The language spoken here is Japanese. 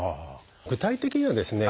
具体的にはですね